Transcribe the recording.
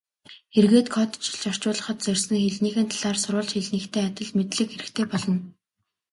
Эргээд кодчилж орчуулахад зорьсон хэлнийх нь талаар сурвалж хэлнийхтэй адил мэдлэг хэрэгтэй болно.